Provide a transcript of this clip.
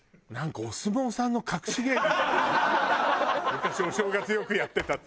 昔お正月よくやってたさ。